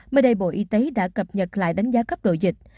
mới đây bộ y tế đã cập nhật lại đánh giá cấp độ dịch